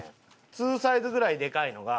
２サイズぐらいでかいのが。